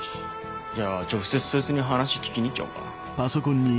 じゃあ直接そいつに話聞きに行っちゃおうか。